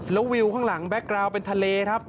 แล้ววิวข้างหลังแก๊กกราวเป็นทะเลครับ